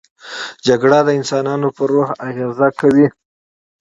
جګړه د انسانانو پر روح اغېز کوي